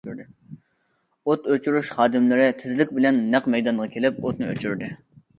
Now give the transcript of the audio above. ئوت ئۆچۈرۈش خادىملىرى تېزلىك بىلەن نەق مەيدانغا كېلىپ ئوتنى ئۆچۈردى.